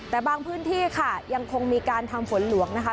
แต่บางพื้นที่ค่ะยังคงมีการทำฝนหลวงนะคะ